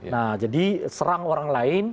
nah jadi serang orang lain